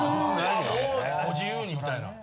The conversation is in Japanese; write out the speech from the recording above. ご自由にみたいな。